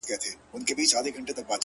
ته چي قدمونو كي چابكه سې،